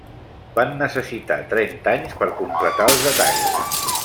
Van necessitar trenta anys per completar els detalls.